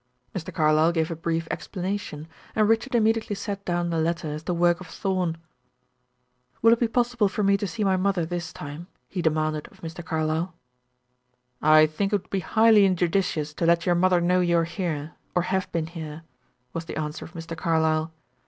Mr. Carlyle gave a brief explanation, and Richard immediately set down the letter as the work of Thorn. "Will it be possible for me to see my mother this time?" he demanded of Mr. Carlyle. "I think it would be highly injudicious to let your mother know you are here, or have been here," was the answer of Mr. Carlyle.